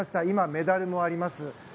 今はメダルもあります。